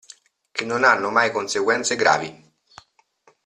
Che non hanno mai conseguenze gravi.